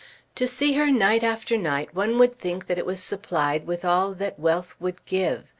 To see her night after night one would think that it was supplied with all that wealth would give.